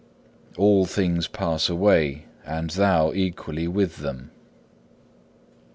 All things pass away and thou equally with them.